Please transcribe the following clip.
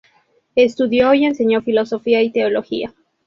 Estudió y enseño filosofía y teología.